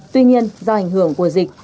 tuy nhiên do ảnh hưởng của dịch